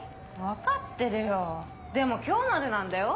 分かってるよでも今日までなんだよ？